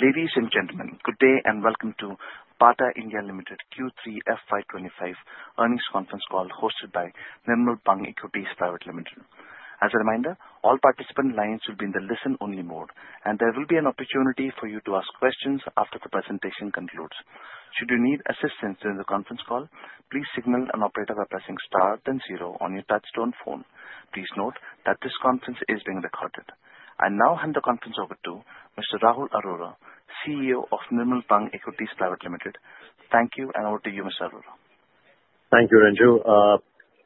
Ladies and gentlemen, good day and welcome to Bata India Limited Q3 FY25 earnings conference call hosted by Nirmal Bang Equities Private Limited. As a reminder, all participant lines will be in the listen-only mode, and there will be an opportunity for you to ask questions after the presentation concludes. Should you need assistance during the conference call, please signal an operator by pressing star then zero on your touch-tone phone. Please note that this conference is being recorded. I now hand the conference over to Mr. Rahul Arora, CEO of Nirmal Bang Equities Private Limited. Thank you, and over to you, Mr. Arora. Thank you, Ranju.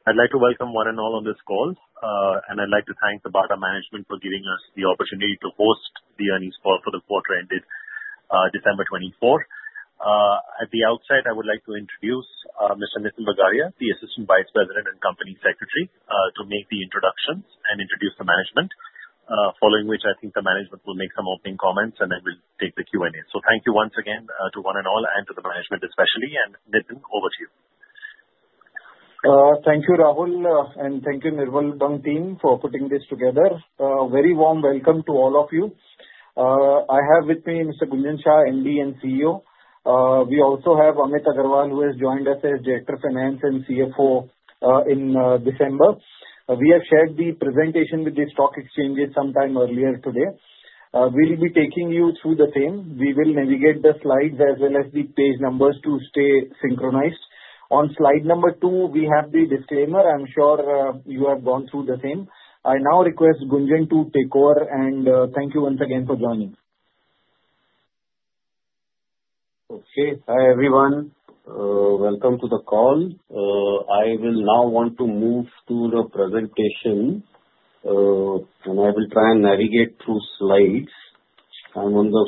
I'd like to welcome one and all on this call, and I'd like to thank the Bata management for giving us the opportunity to host the earnings call for the quarter-ending December 24. At the outset, I would like to introduce Mr. Nitin Bagaria, the Assistant Vice President and Company Secretary, to make the introductions and introduce the management, following which I think the management will make some opening comments and then we'll take the Q&A. So thank you once again to one and all and to the management especially, and Nitin, over to you. Thank you, Rahul, and thank you, Nirmal Bang team, for putting this together. A very warm welcome to all of you. I have with me Mr. Gunjan Shah, MD and CEO. We also have Amit Agarwal, who has joined us as Director of Finance and CFO in December. We have shared the presentation with the stock exchanges sometime earlier today. We'll be taking you through the same. We will navigate the slides as well as the page numbers to stay synchronized. On slide number two, we have the disclaimer. I'm sure you have gone through the same. I now request Gunjan to take over, and thank you once again for joining. Okay. Hi everyone. Welcome to the call. I will now want to move to the presentation, and I will try and navigate through slides. I'm on the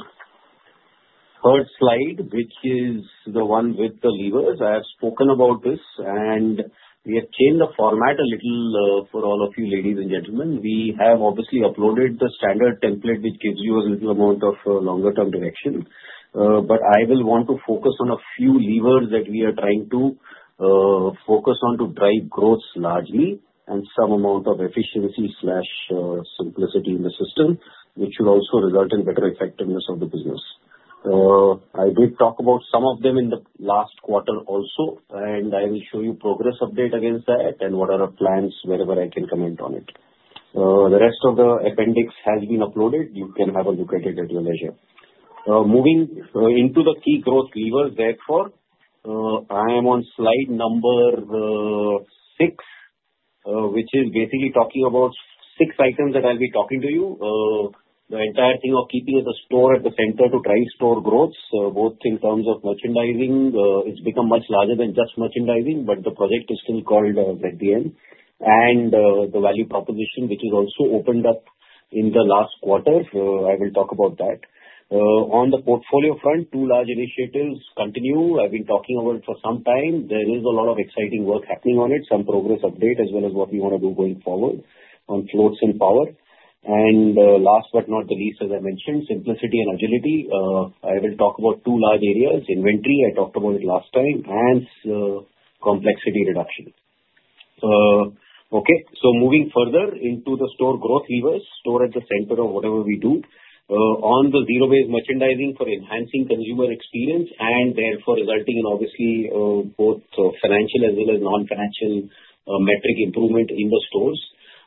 third slide, which is the one with the levers. I have spoken about this, and we have changed the format a little for all of you, ladies and gentlemen. We have obviously uploaded the standard template, which gives you a little amount of longer-term direction. But I will want to focus on a few levers that we are trying to focus on to drive growth largely and some amount of efficiency/simplicity in the system, which will also result in better effectiveness of the business. I did talk about some of them in the last quarter also, and I will show you progress update against that and what are our plans wherever I can comment on it. The rest of the appendix has been uploaded. You can have a look at it at your leisure. Moving into the key growth levers, therefore, I am on slide number six, which is basically talking about six items that I'll be talking to you. The entire thing of keeping the store at the center to drive store growth, both in terms of merchandising, it's become much larger than just merchandising, but the project is still called ZDM and the value proposition, which is also opened up in the last quarter. I will talk about that. On the portfolio front, two large initiatives continue. I've been talking about it for some time. There is a lot of exciting work happening on it, some progress update as well as what we want to do going forward on Floatz and Power. And last but not the least, as I mentioned, simplicity and agility. I will talk about two large areas: inventory, I talked about it last time, and complexity reduction. Okay. So moving further into the store growth levers, store at the center of whatever we do, on the Zero-Based Merchandising for enhancing consumer experience and therefore resulting in obviously both financial as well as non-financial metric improvement in the stores.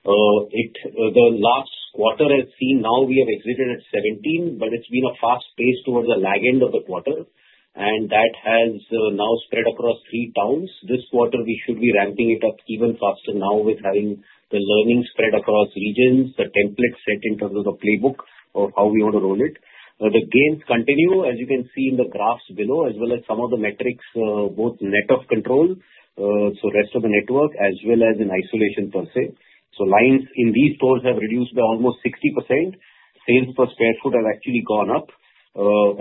The last quarter has seen now we have exited at 17, but it's been a fast pace towards the lagging of the quarter, and that has now spread across three towns. This quarter, we should be ramping it up even faster now with having the learning spread across regions, the template set in terms of the playbook of how we want to roll it. The gains continue, as you can see in the graphs below, as well as some of the metrics, both net of control, so rest of the network, as well as in isolation per se, so lines in these stores have reduced by almost 60%. Sales per sq ft have actually gone up,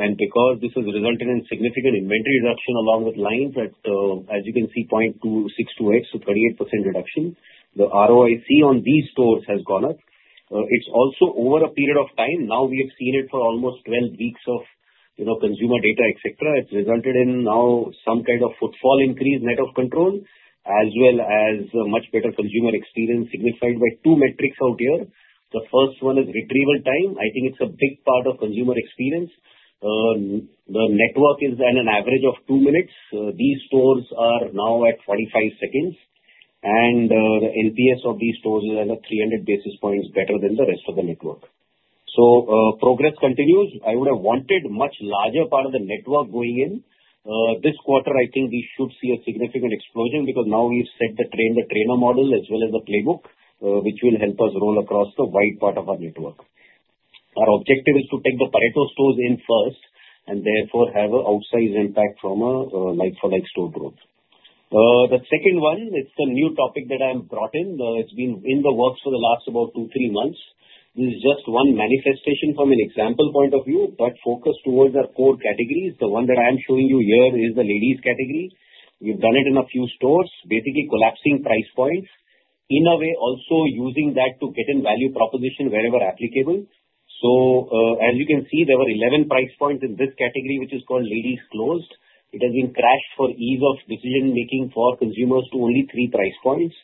and because this has resulted in significant inventory reduction along with lines at, as you can see, 0.262x, so 38% reduction, the ROIC on these stores has gone up. It's also over a period of time. Now we have seen it for almost 12 weeks of consumer data, etc. It's resulted in now some kind of footfall increase, net of control, as well as much better consumer experience signified by two metrics out here. The first one is retrieval time. I think it's a big part of consumer experience. The network is at an average of two minutes. These stores are now at 45 seconds, and the NPS of these stores is at 300 basis points better than the rest of the network. So progress continues. I would have wanted a much larger part of the network going in. This quarter, I think we should see a significant explosion because now we've set the train-the-trainer model as well as the playbook, which will help us roll across the wide part of our network. Our objective is to take the Pareto stores in first and therefore have an outsized impact from a like-for-like store growth. The second one, it's a new topic that I have brought in. It's been in the works for the last about two, three months. This is just one manifestation from an example point of view, but focused towards our core categories. The one that I am showing you here is the ladies category. We've done it in a few stores, basically collapsing price points in a way, also using that to get in value proposition wherever applicable. So as you can see, there were 11 price points in this category, which is called Ladies Closed. It has been crashed for ease of decision-making for consumers to only three price points.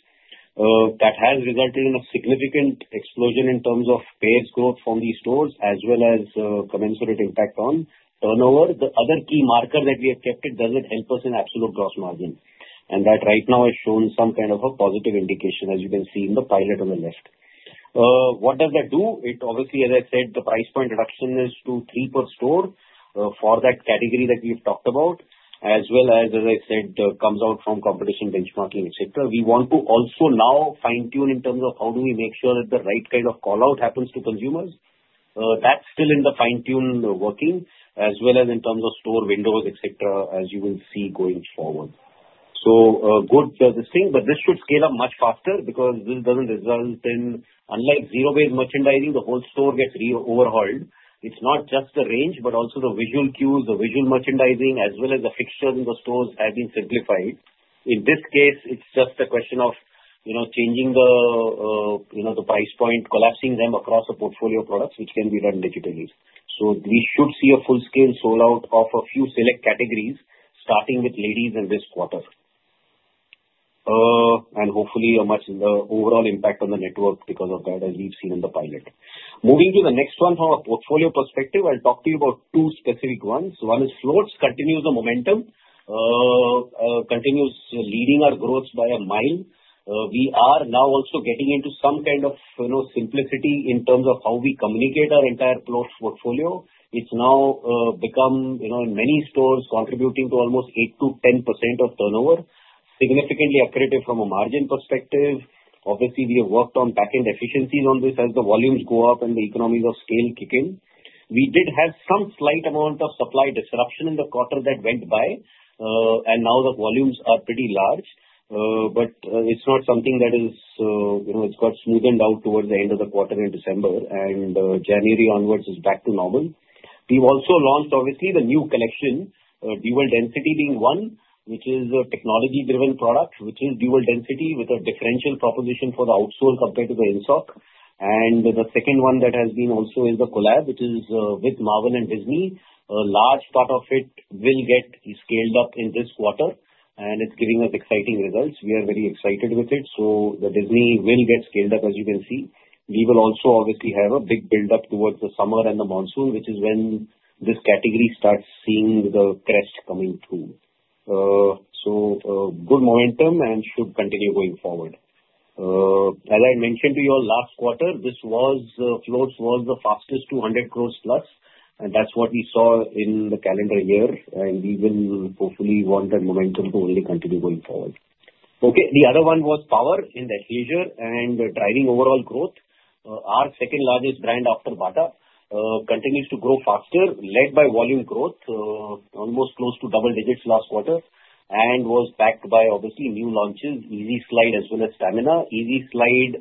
That has resulted in a significant explosion in terms of payers' growth from these stores, as well as commensurate impact on turnover. The other key marker that we have kept it doesn't help us in absolute Gross Margin, and that right now has shown some kind of a positive indication, as you can see in the pilot on the left. What does that do? It obviously, as I said, the price point reduction is to three per store for that category that we've talked about, as well as, as I said, comes out from competition benchmarking, etc. We want to also now fine-tune in terms of how do we make sure that the right kind of call-out happens to consumers. That's still in the fine-tune working, as well as in terms of store windows, etc., as you will see going forward. So good, this thing, but this should scale up much faster because this doesn't result in, unlike Zero-Based Merchandising, the whole store gets overhauled. It's not just the range, but also the visual cues, the Visual Merchandising, as well as the fixtures in the stores have been simplified. In this case, it's just a question of changing the price point, collapsing them across the portfolio products, which can be done digitally. So we should see a full-scale rollout of a few select categories, starting with ladies in this quarter, and hopefully a much overall impact on the network because of that, as we've seen in the pilot. Moving to the next one from a portfolio perspective, I'll talk to you about two specific ones. One is Floats continues the momentum, continues leading our growth by a mile. We are now also getting into some kind of simplicity in terms of how we communicate our entire Floats portfolio. It's now become, in many stores, contributing to almost 8%-10% of turnover, significantly accretive from a margin perspective. Obviously, we have worked on back-end efficiencies on this as the volumes go up and the economies of scale kick in. We did have some slight amount of supply disruption in the quarter that went by, and now the volumes are pretty large, but it's not something that is; it's got smoothed out towards the end of the quarter in December, and January onwards is back to normal. We've also launched, obviously, the new collection, Dual Density being one, which is a technology-driven product, which is Dual Density with a differential proposition for the outsole compared to the insole. And the second one that has been also is the collab, which is with Marvel and Disney. A large part of it will get scaled up in this quarter, and it's giving us exciting results. We are very excited with it. So the Disney will get scaled up, as you can see. We will also obviously have a big build-up towards the summer and the monsoon, which is when this category starts seeing the crest coming through, so good momentum and should continue going forward. As I mentioned to you, last quarter, this Floatz was the fastest 200 crores plus, and that's what we saw in the calendar year, and we will hopefully want that momentum to only continue going forward. Okay. The other one was Power in the leisure and driving overall growth. Our second largest brand after Bata continues to grow faster, led by volume growth, almost close to double digits last quarter, and was backed by obviously new launches, Eazee Slide, as well as Stamina. Eazee Slide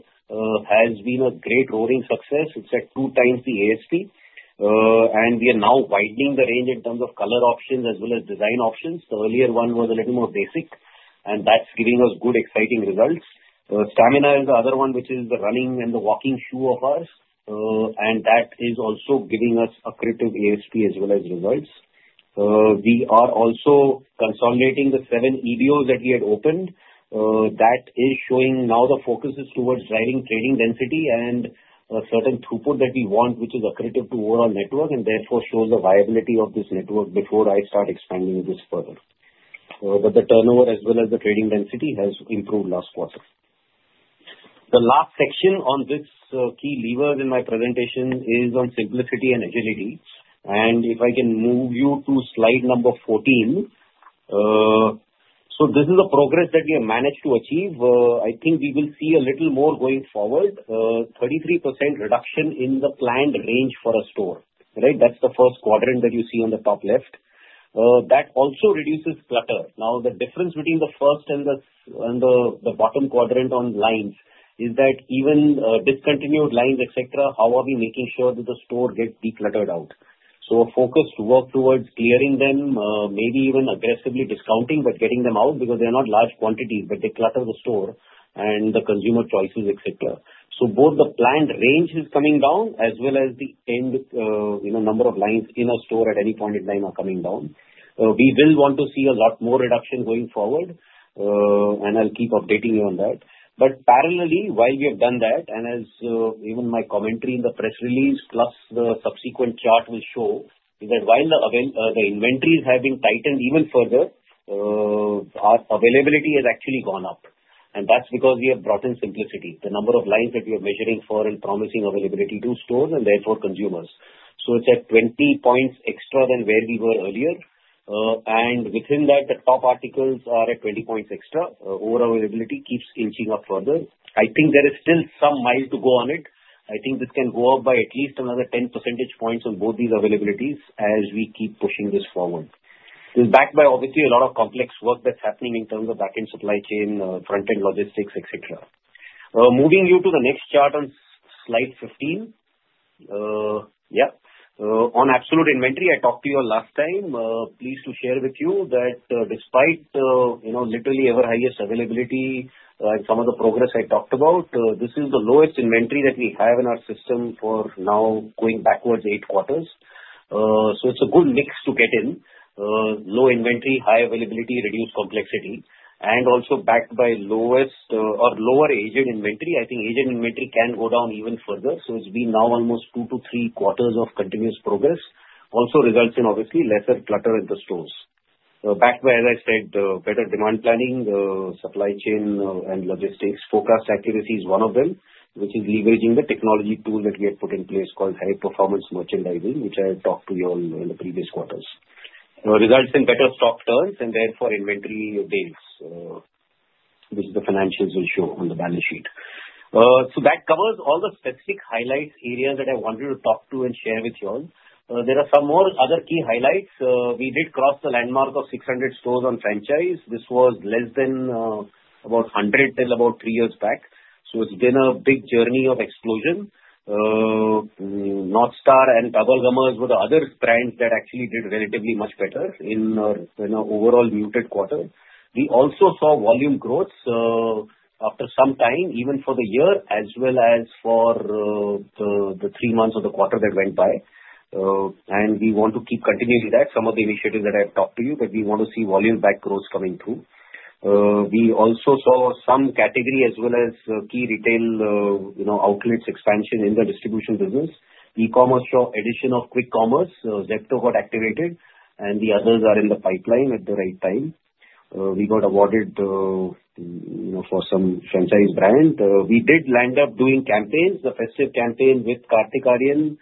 has been a great roaring success. It's at two times the ASP, and we are now widening the range in terms of color options as well as design options. The earlier one was a little more basic, and that's giving us good exciting results. Stamina is the other one, which is the running and the walking shoe of ours, and that is also giving us a critical ASP as well as results. We are also consolidating the seven EBOs that we had opened. That is showing now the focus is towards driving trading density and a certain throughput that we want, which is accurate to overall network and therefore shows the viability of this network before I start expanding this further. But the turnover, as well as the trading density, has improved last quarter. The last section on this key lever in my presentation is on simplicity and agility. And if I can move you to slide number 14. So this is a progress that we have managed to achieve. I think we will see a little more going forward, 33% reduction in the planned range for a store. Right? That's the first quadrant that you see on the top left. That also reduces clutter. Now, the difference between the first and the bottom quadrant on lines is that even discontinued lines, etc., how are we making sure that the store gets decluttered out? So focused work towards clearing them, maybe even aggressively discounting, but getting them out because they're not large quantities, but they clutter the store and the consumer choices, etc. So both the planned range is coming down as well as the number of lines in a store at any point in time are coming down. We will want to see a lot more reduction going forward, and I'll keep updating you on that. But parallelly, while we have done that, and as even my commentary in the press release plus the subsequent chart will show, is that while the inventories have been tightened even further, our availability has actually gone up. And that's because we have brought in simplicity, the number of lines that we are measuring for and promising availability to stores and therefore consumers. So it's at 20 points extra than where we were earlier. And within that, the top articles are at 20 points extra. Overall availability keeps inching up further. I think there is still some mile to go on it. I think this can go up by at least another 10 percentage points on both these availabilities as we keep pushing this forward. It's backed by obviously a lot of complex work that's happening in terms of back-end supply chain, front-end logistics, etc. Moving you to the next chart on slide 15. Yeah. On absolute inventory, I talked to you last time. Pleased to share with you that despite literally ever highest availability and some of the progress I talked about, this is the lowest inventory that we have in our system for now going backwards eight quarters. So it's a good mix to get in, low inventory, high availability, reduced complexity, and also backed by lower aged inventory. I think aged inventory can go down even further. So it's been now almost two to three quarters of continuous progress, also results in obviously lesser clutter in the stores. Backed by, as I said, better demand planning, supply chain, and logistics. Focused accuracy is one of them, which is leveraging the technology tool that we have put in place called High-Performance Merchandising, which I talked to you on in the previous quarters. Results in better stock turns and therefore inventory days, which the financials will show on the balance sheet. So that covers all the specific highlight areas that I wanted to talk to and share with you all. There are some more other key highlights. We did cross the landmark of 600 stores on franchise. This was less than about 100 till about three years back. So it's been a big journey of explosion. North Star and Bubblegummers were the other brands that actually did relatively much better in our overall muted quarter. We also saw volume growth after some time, even for the year, as well as for the three months of the quarter that went by. And we want to keep continuing that, some of the initiatives that I have talked to you, that we want to see volume back growth coming through. We also saw some category as well as key retail outlets expansion in the distribution business. E-commerce shop addition of quick commerce, Zepto got activated, and the others are in the pipeline at the right time. We got awarded for some franchise brand. We did land up doing campaigns, the festive campaign with Kartik Aaryan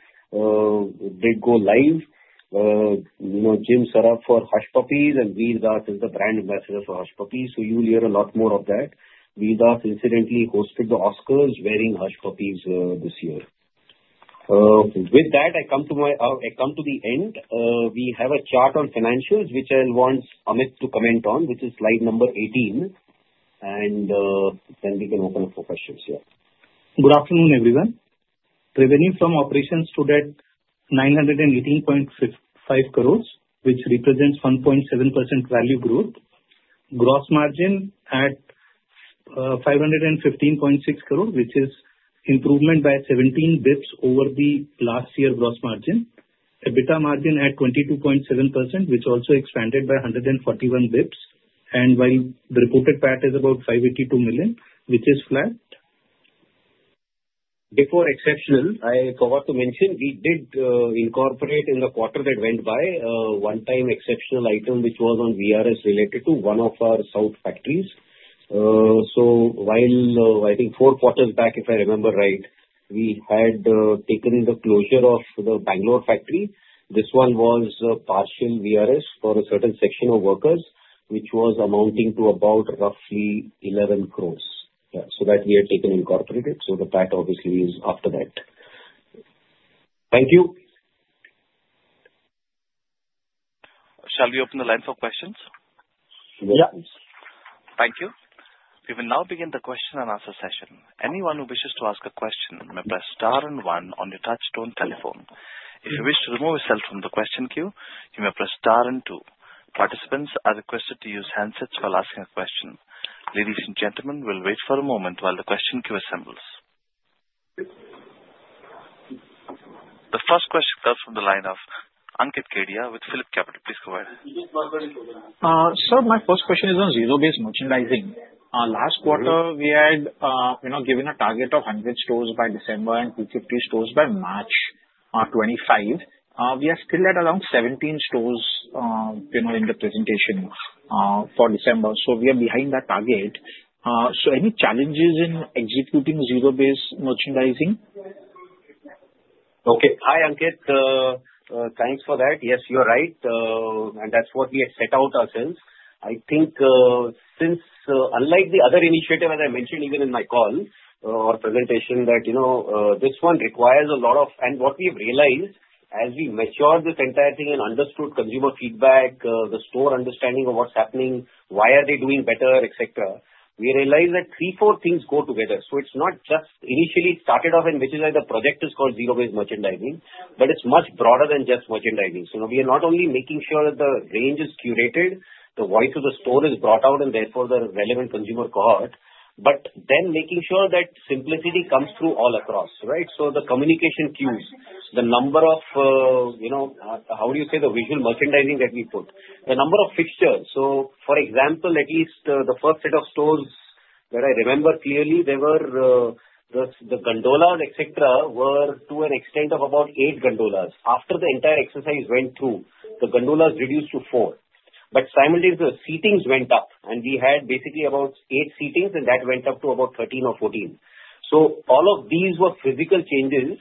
did go live. Jim Sarbh for Hush Puppies and Vir Das is the brand ambassador for Hush Puppies. So you will hear a lot more of that. Vir Das incidentally hosted the Oscars wearing Hush Puppies this year. With that, I come to the end. We have a chart on financials, which I want Amit to comment on, which is slide number 18. And then we can open up for questions. Yeah. Good afternoon, everyone. Revenue from operations stood at 918.55 crores, which represents 1.7% value growth. Gross margin at 515.6 crores, which is improvement by 17 basis points over the last year gross margin. EBITDA margin at 22.7%, which also expanded by 141 basis points. While the reported PAT is about 582 million, which is flat. Before exceptional, I forgot to mention, we did incorporate in the quarter that went by one time exceptional item, which was on VRS related to one of our south factories. So while I think four quarters back, if I remember right, we had taken the closure of the Bangalore factory. This one was partial VRS for a certain section of workers, which was amounting to about roughly 11 crores. So that we had taken incorporated. So the PAT obviously is after that. Thank you. Shall we open the line for questions? Yes. Thank you. We will now begin the question and answer session. Anyone who wishes to ask a question may press star and one on your touch-tone telephone. If you wish to remove yourself from the question queue, you may press star and two. Participants are requested to use handsets while asking a question. Ladies and gentlemen, we'll wait for a moment while the question queue assembles. The first question comes from the line of Ankit Kedia with PhillipCapital. Please go ahead. Sir, my first question is on zero-based merchandising. Last quarter, we had given a target of 100 stores by December and 250 stores by March 2025. We are still at around 17 stores in the presentation for December. So we are behind that target. So any challenges in executing zero-based merchandising? Okay. Hi, Ankit. Thanks for that. Yes, you're right. And that's what we had set out ourselves. I think since, unlike the other initiative as I mentioned even in my call or presentation, that this one requires a lot of, and what we've realized as we matured this entire thing and understood consumer feedback, the store understanding of what's happening, why are they doing better, etc., we realized that three, four things go together. So it's not just initially started off in which is like the project is called zero-based merchandising, but it's much broader than just merchandising. So we are not only making sure that the range is curated, the voice of the store is brought out, and therefore the relevant consumer caught, but then making sure that simplicity comes through all across. Right? So the communication cues, the number of, how do you say, the visual merchandising that we put, the number of fixtures. So for example, at least the first set of stores that I remember clearly, they were the gondolas, etc., were to an extent of about eight gondolas. After the entire exercise went through, the gondolas reduced to four. But simultaneously, the seatings went up, and we had basically about eight seatings, and that went up to about 13 or 14. So all of these were physical changes.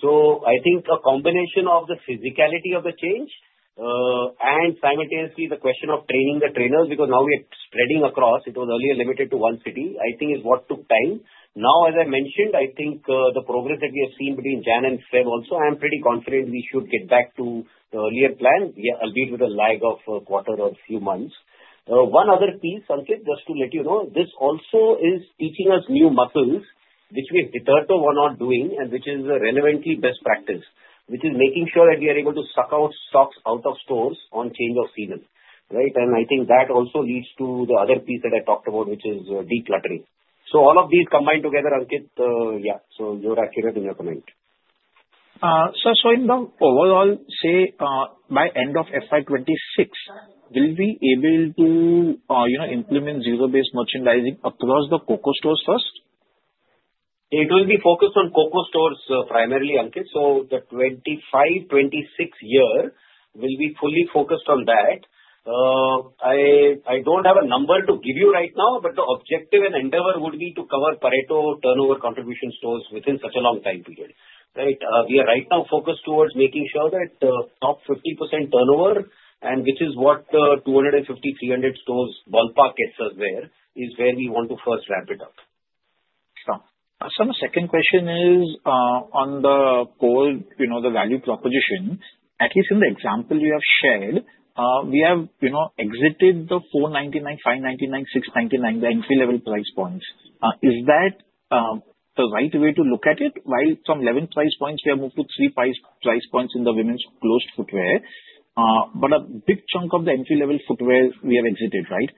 So I think a combination of the physicality of the change and simultaneously the question of training the trainers, because now we are spreading across, it was earlier limited to one city, I think is what took time. Now, as I mentioned, I think the progress that we have seen between Jan and Sep also, I'm pretty confident we should get back to the earlier plan, albeit with a lag of a quarter or a few months. One other piece, Ankit, just to let you know, this also is teaching us new muscles, which we have deferred to or not doing, and which is a relevant best practice, which is making sure that we are able to suck out stocks out of stores on change of season. Right? And I think that also leads to the other piece that I talked about, which is decluttering. So all of these combined together, Ankit, yeah, so you're accurate in your comment. Sir, so in the overall, say by end of FY26, will we be able to implement zero-based merchandising across the COCO stores first? It will be focused on COCO stores primarily, Ankit. So the 25, 26 year will be fully focused on that. I don't have a number to give you right now, but the objective and endeavor would be to cover Pareto turnover contribution stores within such a long time period. Right? We are right now focused towards making sure that top 50% turnover, and which is what 250, 300 stores ballpark gets us there, is where we want to first wrap it up. Sir, my second question is on the whole value proposition. At least in the example we have shared, we have exited the 499, 599, 699, the entry-level price points. Is that the right way to look at it? While from 11 price points, we have moved to three price points in the Ladies Closed, but a big chunk of the entry-level footwear we have exited. Right?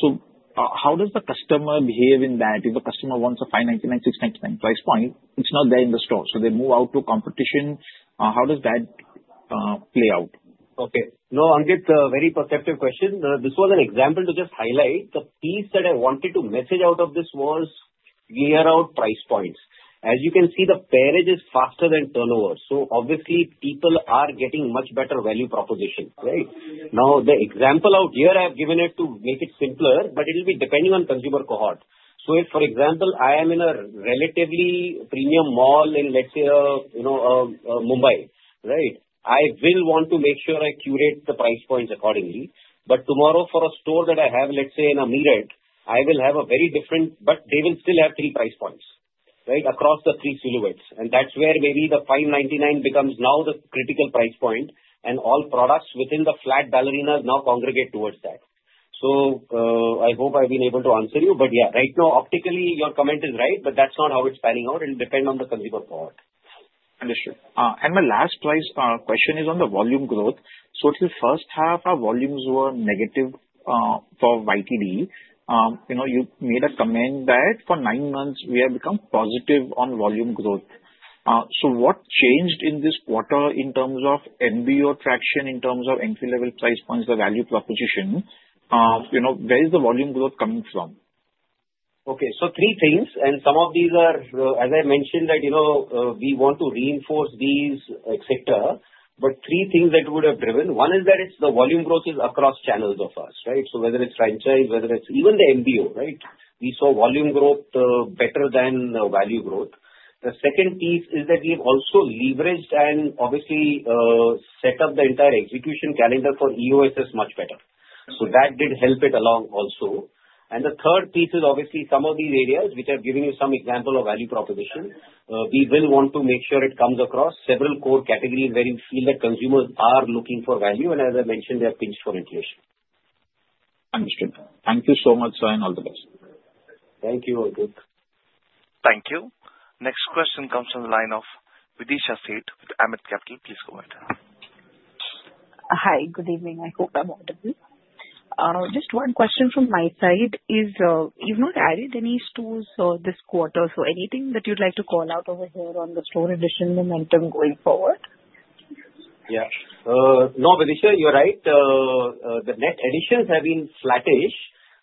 So how does the customer behave in that? If the customer wants a 599, 699 price point, it's not there in the store. So they move out to competition. How does that play out? Okay. No, Ankit, very perceptive question. This was an example to just highlight. The piece that I wanted to message out of this was get our price points. As you can see, the average is faster than turnover. So obviously, people are getting much better value proposition. Right? Now, the example out here, I have given it to make it simpler, but it will be depending on consumer cohort. So if, for example, I am in a relatively premium mall in, let's say, Mumbai, right, I will want to make sure I curate the price points accordingly. But tomorrow, for a store that I have, let's say, in Meerut, I will have a very different, but they will still have three price points, right, across the three silhouettes. And that's where maybe the 599 becomes now the critical price point, and all products within the flat ballerinas now congregate towards that. So I hope I've been able to answer you. But yeah, right now, optically, your comment is right, but that's not how it's panning out. It will depend on the consumer cohort. Understood. And my last question is on the volume growth. So till first half, our volumes were negative for YTD. You made a comment that for nine months, we have become positive on volume growth. So what changed in this quarter in terms of MBO traction, in terms of entry-level price points, the value proposition? Where is the volume growth coming from? Okay. Three things. Some of these are, as I mentioned, that we want to reinforce these, etc. But three things that would have driven. One is that the volume growth is across channels of us, right? So whether it's franchise, whether it's even the MBO, right, we saw volume growth better than value growth. The second piece is that we have also leveraged and obviously set up the entire execution calendar for EOSS much better. So that did help it along also. The third piece is obviously some of these areas, which I've given you some example of value proposition. We will want to make sure it comes across several core categories where you feel that consumers are looking for value. As I mentioned, they are pinched for inflation. Understood. Thank you so much, sir, and all the best. Thank you. Thank you. Next question comes from the line of Videesha Sheth with Ambit Capital. Please go ahead. Hi, good evening. I hope I'm audible. Just one question from my side is, you've not added any stores this quarter. So anything that you'd like to call out over here on the store addition momentum going forward? Yeah. No, Vidisha, you're right. The net additions have been flattish.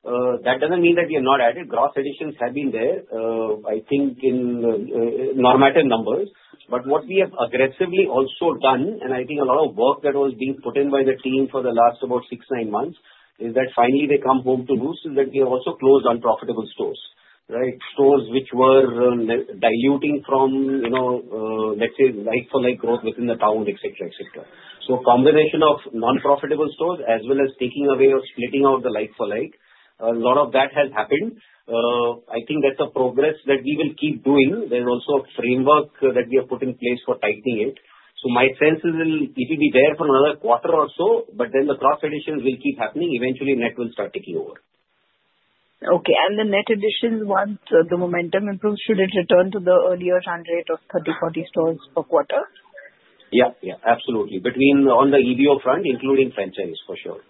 That doesn't mean that we have not added. Gross additions have been there, I think, in normative numbers. But what we have aggressively also done, and I think a lot of work that was being put in by the team for the last about six, nine months, is that finally they come home to roost is that we have also closed unprofitable stores, right? Stores which were diluting from, let's say, like-for-like growth within the town, etc., etc. Combination of non-profitable stores as well as taking away or splitting out the like-for-like, a lot of that has happened. I think that's a progress that we will keep doing. There's also a framework that we have put in place for tightening it. So my sense is it will be there for another quarter or so, but then the gross additions will keep happening. Eventually, net will start taking over. Okay. And the net additions, once the momentum improves, should it return to the earlier run rate of 30-40 stores per quarter? Yeah. Yeah. Absolutely. 30-40 on the EBO front, including franchise, for sure.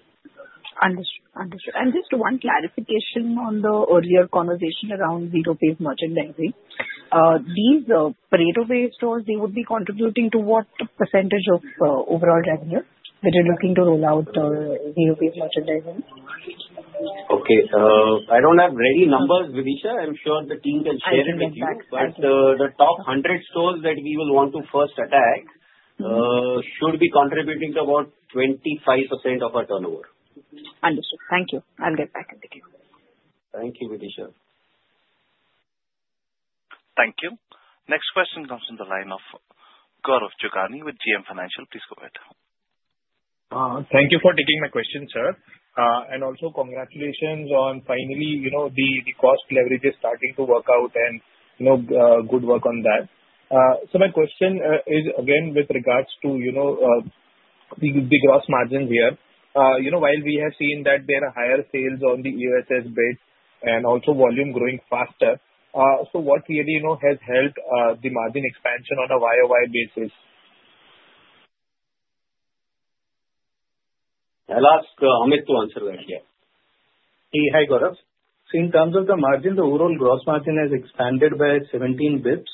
Understood. Understood. And just one clarification on the earlier conversation around zero-based merchandising. These Pareto-based stores, they would be contributing to what percentage of overall revenue that you're looking to roll out zero-based merchandising? Okay. I don't have ready numbers, Vidisha. I'm sure the team can share it with you. But the top 100 stores that we will want to first attack should be contributing to about 25% of our turnover. Understood. Thank you. I'll get back in the queue. Thank you, Vidisha. Thank you. Next question comes from the line of Gaurav Jogani with JM Financial. Please go ahead. Thank you for taking my question, sir. And also, congratulations on finally the cost leverage is starting to work out and good work on that. So my question is again with regards to the gross margins here. While we have seen that there are higher sales on the EOSS bit and also volume growing faster, so what really has helped the margin expansion on a YOY basis? I'll ask Amit to answer that. Yeah. Hey, hi Gaurav. So in terms of the margin, the overall gross margin has expanded by 17 basis points.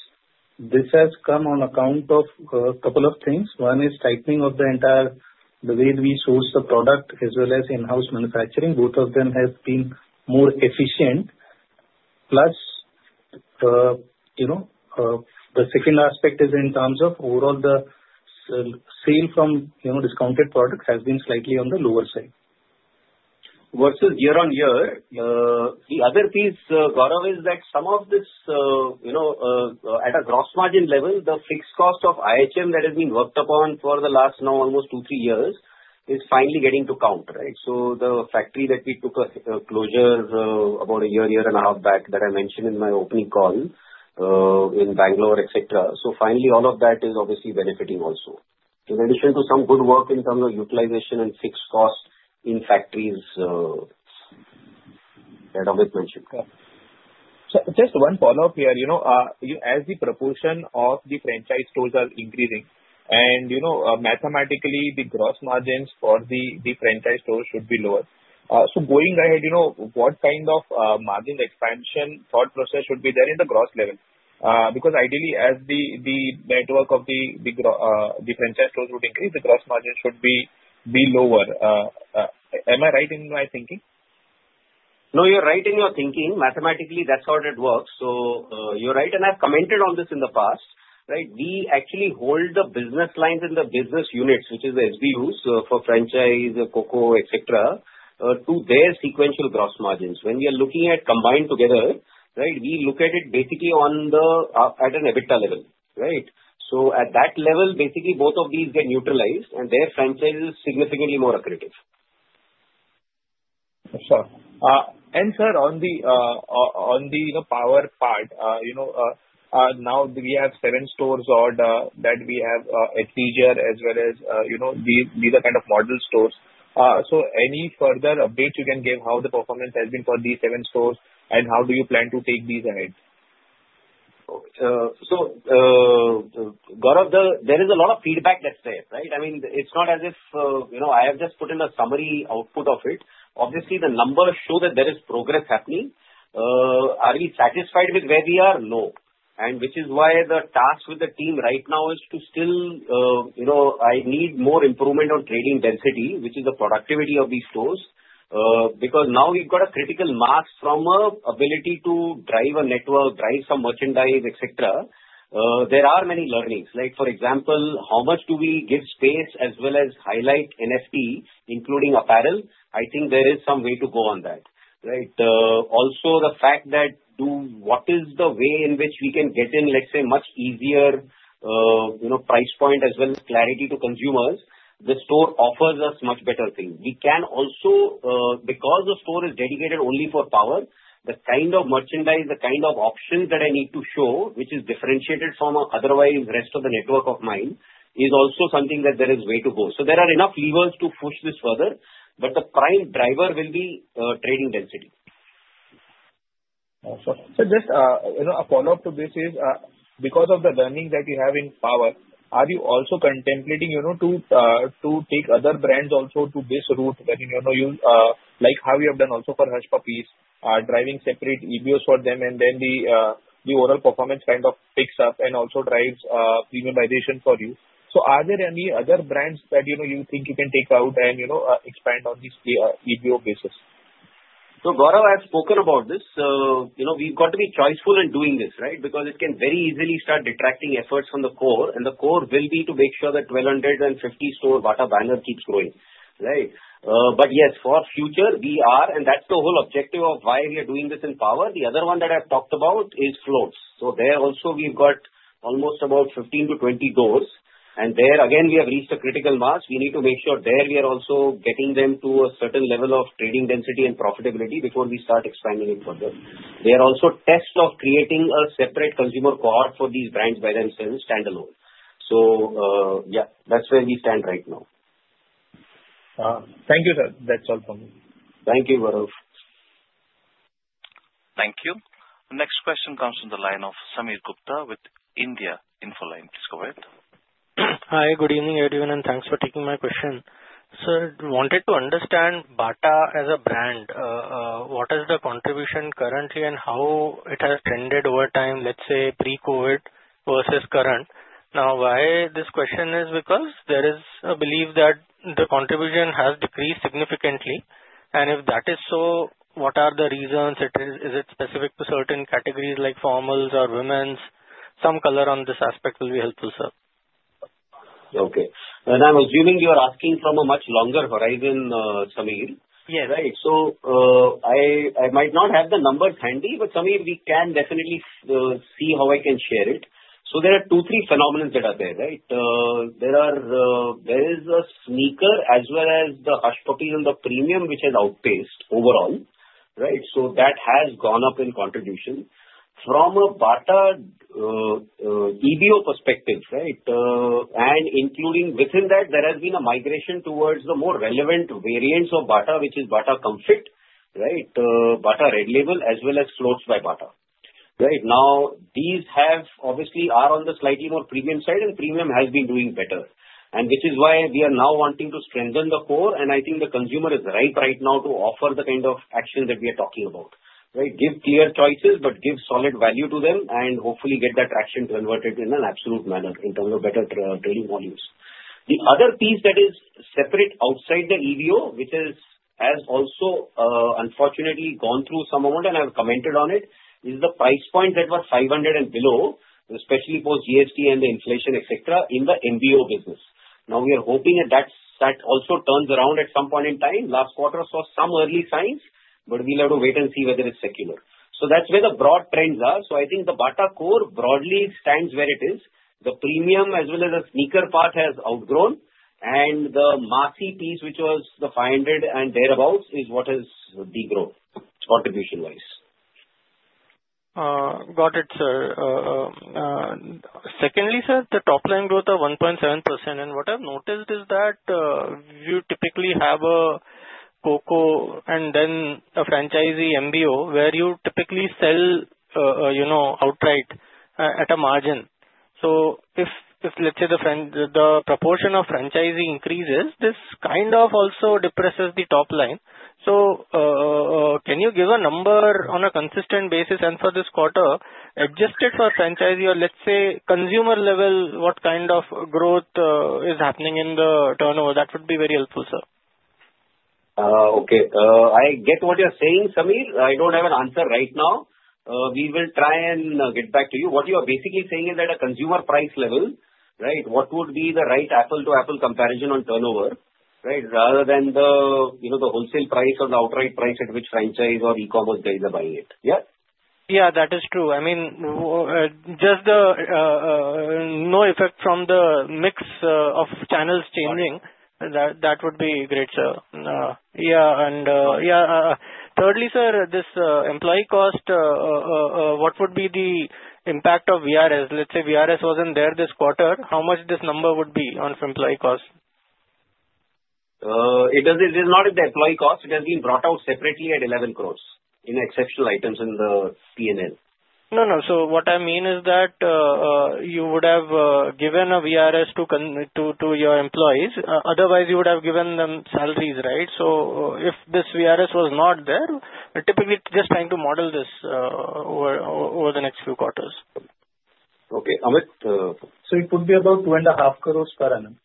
This has come on account of a couple of things. One is tightening of the entire way we source the product as well as in-house manufacturing. Both of them have been more efficient. Plus, the second aspect is in terms of overall the sale from discounted products has been slightly on the lower side versus year on year. The other piece, Gaurav, is that some of this at a gross margin level, the fixed cost of IHM that has been worked upon for the last now almost two, three years is finally getting to count, right? So the factory that we took a closure about a year, year and a half back that I mentioned in my opening call in Bangalore, etc. So finally, all of that is obviously benefiting also. In addition to some good work in terms of utilization and fixed cost in factories that Amit mentioned. Just one follow-up here. As the proportion of the franchise stores are increasing, and mathematically, the gross margins for the franchise stores should be lower. So going ahead, what kind of margin expansion thought process should be there in the gross level? Because ideally, as the network of the franchise stores would increase, the gross margin should be lower. Am I right in my thinking? No, you're right in your thinking. Mathematically, that's how it works. So you're right. And I've commented on this in the past, right? We actually hold the business lines and the business units, which is the SBUs for franchise, COCO, etc., to their sequential gross margins. When we are looking at combined together, right, we look at it basically at an EBITDA level, right? So at that level, basically, both of these get neutralized, and their franchise is significantly more accretive. Sure. And sir, on the power part, now we have seven stores that we have at TGR as well as these are kind of model stores. So any further updates you can give how the performance has been for these seven stores, and how do you plan to take these ahead? So Gaurav, there is a lot of feedback that's there, right? I mean, it's not as if I have just put in a summary output of it. Obviously, the numbers show that there is progress happening. Are we satisfied with where we are? No. And which is why the task with the team right now is to still I need more improvement on trading density, which is the productivity of these stores. Because now we've got a critical mass from ability to drive a network, drive some merchandise, etc. There are many learnings. For example, how much do we give space as well as highlight NFP, including apparel? I think there is some way to go on that, right? Also, the fact that what is the way in which we can get in, let's say, much easier price point as well as clarity to consumers, the store offers us much better things. We can also, because the store is dedicated only for Power, the kind of merchandise, the kind of options that I need to show, which is differentiated from otherwise the rest of the network of mine, is also something that there is a way to go. So there are enough levers to push this further, but the prime driver will be Trading Density. So just a follow-up to this is, because of the learning that we have in Power, are you also contemplating to take other brands also to this route, like how you have done also for Hush Puppies, driving separate EBOs for them, and then the overall performance kind of picks up and also drives premiumization for you? So are there any other brands that you think you can take out and expand on this EBO basis? So Gaurav, I have spoken about this. We've got to be choiceful in doing this, right? Because it can very easily start detracting efforts from the core, and the core will be to make sure that 1,250-store Bata banner keeps growing, right? But yes, for future, we are, and that's the whole objective of why we are doing this in Power. The other one that I've talked about is Floats. So there also, we've got almost about 15-20 doors, and there, again, we have reached a critical mass. We need to make sure there we are also getting them to a certain level of trading density and profitability before we start expanding it further. There are also tests of creating a separate consumer cohort for these brands by themselves, standalone. So yeah, that's where we stand right now. Thank you, sir. That's all from me. Thank you, Gaurav. Thank you. Next question comes from the line of Sameer Gupta with India Infoline. Please go ahead. Hi, good evening, everyone, and thanks for taking my question. Sir, wanted to understand Bata as a brand. What is the contribution currently and how it has trended over time, let's say, pre-COVID versus current? Now, why this question is because there is a belief that the contribution has decreased significantly. And if that is so, what are the reasons? Is it specific to certain categories like formals or women's? Some color on this aspect will be helpful, sir. Okay. And I'm assuming you are asking from a much longer horizon, Samir. Right? So I might not have the numbers handy, but Samir, we can definitely see how I can share it. So there are two, three phenomena that are there, right? There is a sneaker as well as the Hush Puppies and the premium, which has outpaced overall, right? So that has gone up in contribution. From a Bata EBO perspective, right, and including within that, there has been a migration towards the more relevant variants of Bata, which is Bata Comfit, right, Bata Red Label, as well as Floats by Bata. Right? Now, these obviously are on the slightly more premium side, and premium has been doing better. And which is why we are now wanting to strengthen the core, and I think the consumer is ripe right now to offer the kind of action that we are talking about, right? Give clear choices, but give solid value to them, and hopefully get that action converted in an absolute manner in terms of better trading volumes. The other piece that is separate outside the EBO, which has also unfortunately gone through some amount, and I've commented on it, is the price point that was 500 and below, especially post GST and the inflation, etc., in the MBO business. Now, we are hoping that that also turns around at some point in time. Last quarter saw some early signs, but we'll have to wait and see whether it's secular. So that's where the broad trends are. So I think the Bata core broadly stands where it is. The premium as well as the sneaker part has outgrown, and the massy piece, which was the 500 and thereabouts, is what has begun to erode contribution-wise. Got it, sir. Secondly, sir, the top-line growth of 1.7%, and what I've noticed is that you typically have a COCO and then a franchisee MBO where you typically sell outright at a margin. So if, let's say, the proportion of franchisee increases, this kind of also depresses the top line. So can you give a number on a consistent basis and for this quarter adjusted for franchisee or, let's say, consumer level, what kind of growth is happening in the turnover? That would be very helpful, sir. Okay. I get what you're saying, Samir. I don't have an answer right now. We will try and get back to you. What you are basically saying is that a consumer price level, right, what would be the right apples-to-apples comparison on turnover, right, rather than the wholesale price or the outright price at which franchise or e-commerce guys are buying it. Yeah? Yeah, that is true. I mean, just the net effect from the mix of channels changing, that would be great, sir. Yeah. And yeah, thirdly, sir, this employee cost, what would be the impact of VRS? Let's say VRS wasn't there this quarter. How much this number would be on employee cost? It is not in the employee cost. It has been brought out separately at 11 crores in exceptional items in the P&L. No, no. So what I mean is that you would have given a VRS to your employees. Otherwise, you would have given them salaries, right? So if this VRS was not there, typically just trying to model this over the next few quarters. Okay. Amit, so it would be about 2.5 crores per annum.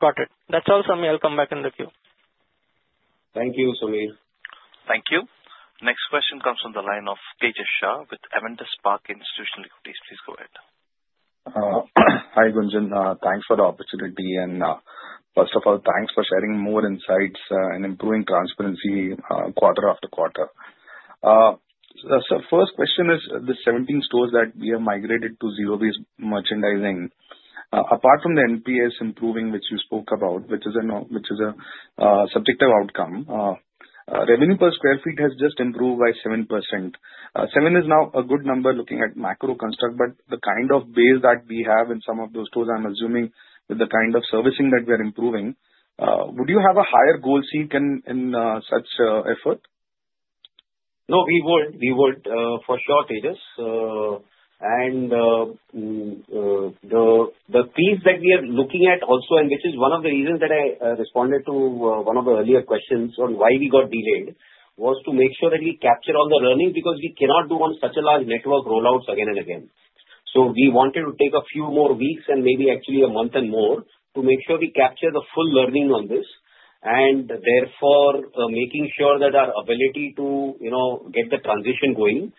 Got it. That's all, Samir. I'll come back in the queue. Thank you, Samir. Thank you. Next question comes from the line of Tejas Shah with Avendus Spark Institutional Equities. Please go ahead. Hi, Gunjan. Thanks for the opportunity. And first of all, thanks for sharing more insights and improving transparency quarter after quarter. So first question is the 17 stores that we have migrated to zero-based merchandising. Apart from the NPS improving, which you spoke about, which is a subjective outcome, revenue per square feet has just improved by 7%. Seven is now a good number looking at macro construct, but the kind of base that we have in some of those stores, I'm assuming with the kind of servicing that we are improving, would you have a higher goal seek in such effort? No, we would. We would for sure, KJS. And the piece that we are looking at also, and which is one of the reasons that I responded to one of the earlier questions on why we got delayed, was to make sure that we capture all the learning because we cannot do on such a large network rollouts again and again. So we wanted to take a few more weeks and maybe actually a month and more to make sure we capture the full learning on this and therefore making sure that our ability to get the transition going.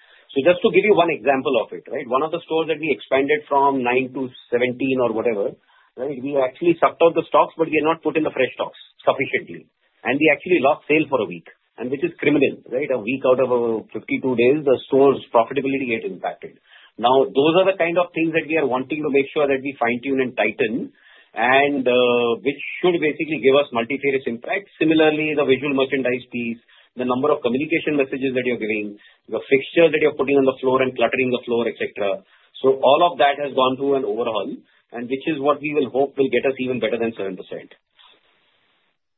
Just to give you one example of it, right? One of the stores that we expanded from nine to 17 or whatever, right, we actually sucked out the stocks, but we had not put in the fresh stocks sufficiently. And we actually lost sales for a week, and which is criminal, right? A week out of 52 days, the store's profitability gets impacted. Now, those are the kind of things that we are wanting to make sure that we fine-tune and tighten, and which should basically give us multifarious impact. Similarly, the visual merchandising piece, the number of communication messages that you're giving, the fixtures that you're putting on the floor and cluttering the floor, etc. So all of that has gone through an overhaul, and which is what we will hope will get us even better than 7%.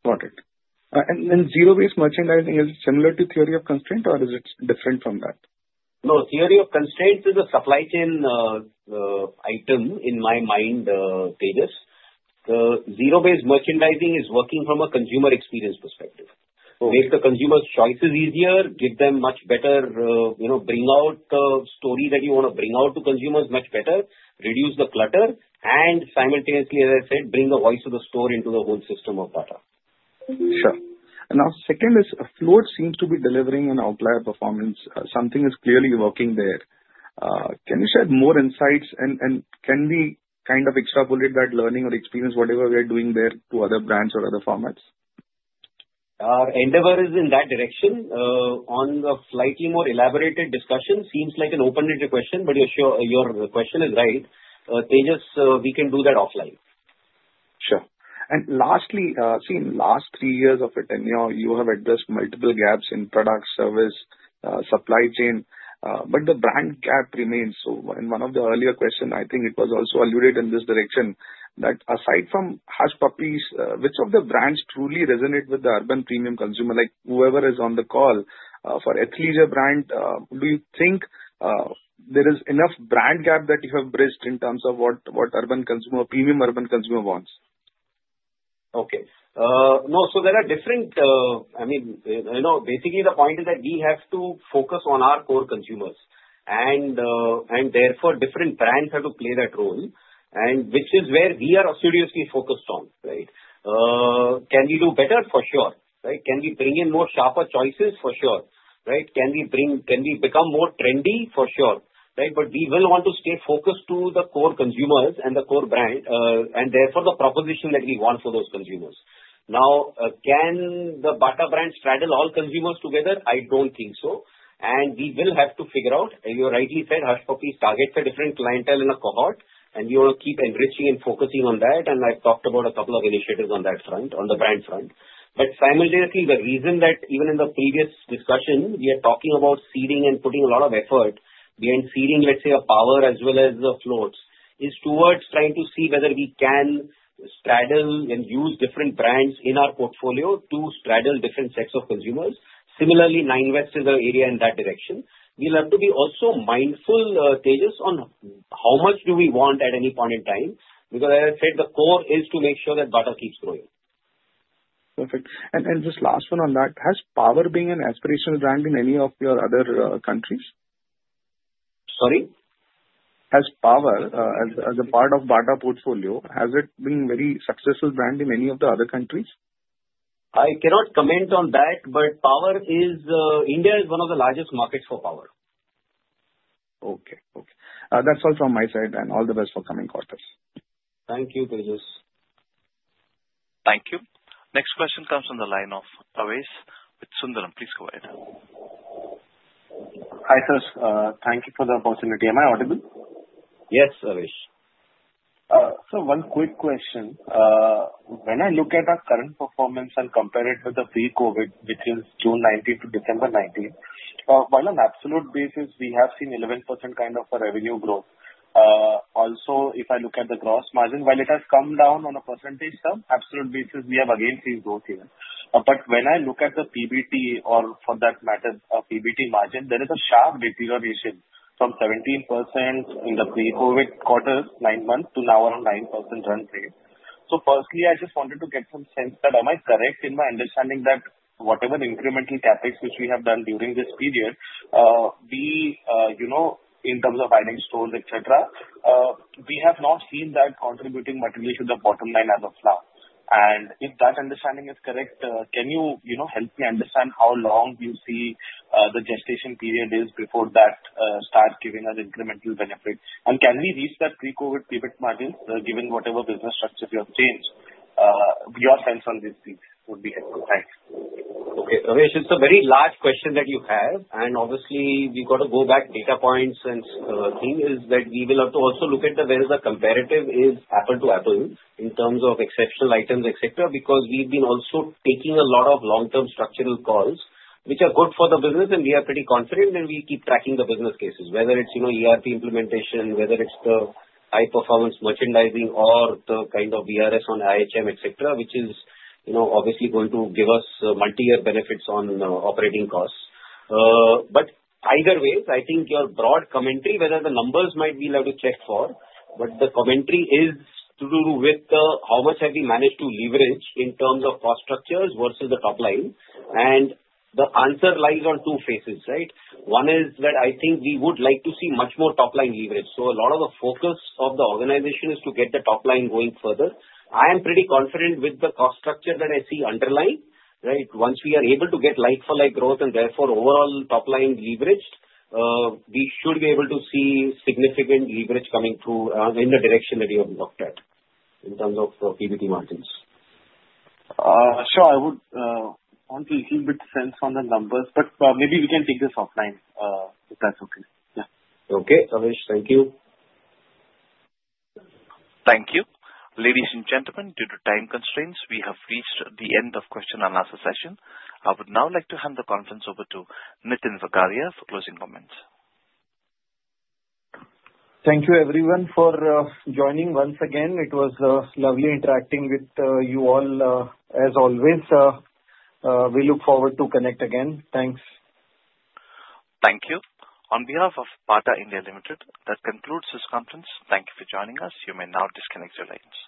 Got it. And then zero-based merchandising is similar to theory of constraint, or is it different from that? No, theory of constraint is a supply chain item in my mind, KJS. Zero-based merchandising is working from a consumer experience perspective. Make the consumer's choices easier, give them much better bring out the story that you want to bring out to consumers much better, reduce the clutter, and simultaneously, as I said, bring the voice of the store into the whole system of data. Sure. Now, second is Floats seems to be delivering an outlier performance. Something is clearly working there. Can you share more insights, and can we kind of extrapolate that learning or experience, whatever we are doing there, to other brands or other formats? Endeavor is in that direction. On the slightly more elaborated discussion, seems like an open-ended question, but your question is right. KJS, we can do that offline. Sure, and lastly, see, in the last three years of it, you have addressed multiple gaps in product, service, supply chain, but the brand gap remains. So in one of the earlier questions, I think it was also alluded in this direction that aside from Hush Puppies, which of the brands truly resonate with the urban premium consumer, like whoever is on the call for athleisure brand, do you think there is enough brand gap that you have bridged in terms of what premium urban consumer wants? Okay. No, so there are different. I mean, basically the point is that we have to focus on our core consumers, and therefore different brands have to play that role, which is where we are seriously focused on, right? Can we do better? For sure, right? Can we bring in more sharper choices? For sure, right? Can we become more trendy? For sure, right? But we will want to stay focused to the core consumers and the core brand, and therefore the proposition that we want for those consumers. Now, can the Bata brand straddle all consumers together? I don't think so. And we will have to figure out. You rightly said, Hush Puppies targets a different clientele in a cohort, and we want to keep enriching and focusing on that. And I've talked about a couple of initiatives on that front, on the brand front. But simultaneously, the reason that even in the previous discussion, we are talking about seeding and putting a lot of effort behind seeding, let's say, of Power as well as the Floats, is towards trying to see whether we can straddle and use different brands in our portfolio to straddle different sets of consumers. Similarly, Nine West is an area in that direction. We'll have to be also mindful, KJS, on how much do we want at any point in time, because as I said, the core is to make sure that Bata keeps growing. Perfect. And just last one on that, has Power being an aspirational brand in any of your other countries? Sorry? Has Power, as a part of Bata portfolio, has it been a very successful brand in any of the other countries? I cannot comment on that, but India is one of the largest markets for Power. Okay. Okay. That's all from my side, and all the best for coming quarters. Thank you, KJS. Thank you. Next question comes from the lin e of Aavesh with Sundaram. Please go ahead. Hi sir, thank you for the opportunity. Am I audible? Yes, Aavesh. So one quick question. When I look at our current performance and compare it with the pre-COVID, which is June 2019 to December 2019, on an absolute basis, we have seen 11% kind of a revenue growth. Also, if I look at the gross margin, while it has come down on a percentage term, absolute basis, we have again seen growth here. But when I look at the PBT, or for that matter, PBT margin, there is a sharp deterioration from 17% in the pre-COVID quarter, nine months, to now around 9% run rate. So firstly, I just wanted to get some sense that am I correct in my understanding that whatever incremental CapEx, which we have done during this period, in terms of adding stores, etc., we have not seen that contributing materially to the bottom line as of now? And if that understanding is correct, can you help me understand how long you see the gestation period is before that starts giving us incremental benefit? And can we reach that pre-COVID pivot margin, given whatever business structure you have changed? Your sense on these things would be helpful. Thanks. Okay. Aavesh, it's a very large question that you have, and obviously, we've got to go back data points and things that we will have to also look at where the comparative is apple to apple in terms of exceptional items, etc., because we've been also taking a lot of long-term structural calls, which are good for the business, and we are pretty confident, and we keep tracking the business cases, whether it's ERP implementation, whether it's the High-Performance Merchandising, or the kind of VRS on IHM, etc., which is obviously going to give us multi-year benefits on operating costs. But either way, I think your broad commentary, whether the numbers might be left to check for, but the commentary is to do with how much have we managed to leverage in terms of cost structures versus the top line. And the answer lies on two facets, right? One is that I think we would like to see much more top-line leverage. So a lot of the focus of the organization is to get the top line going further. I am pretty confident with the cost structure that I see underlying, right? Once we are able to get like-for-like growth and therefore overall top-line leveraged, we should be able to see significant leverage coming through in the direction that you have looked at in terms of PBT margins. Sure. I want a little bit of sense on the numbers, but maybe we can take this offline if that's okay. Yeah. Okay, Awish. Thank you Thank you. Ladies and gentlemen, due to time constraints, we have reached the end of the question and answer session. I would now like to hand the conference over to Nitin Bagaria for closing comments. Thank you, everyone, for joining once again. It was lovely interacting with you all, as always. We look forward to connect again. Thanks. Thank you. On behalf of Bata India Limited, that concludes this conference. Thank you for joining us. You may now disconnect your lines.